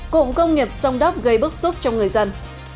cộng công nghiệp sông đốc gây bức xúc trong người dân